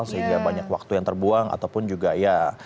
sehingga banyak waktu yang terbuang ataupun juga ya